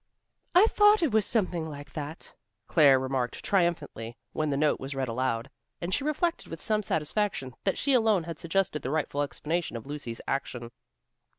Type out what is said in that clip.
"I thought it was something like that," Claire remarked triumphantly when the note was read aloud, and she reflected with some satisfaction that she alone had suggested the rightful explanation of Lucy's action.